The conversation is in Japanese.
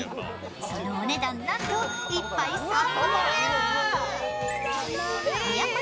そのお値段、なんと１杯３万円。